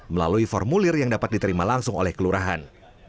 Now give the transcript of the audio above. melalui formulir yang dapat diterima langsung oleh kelurahan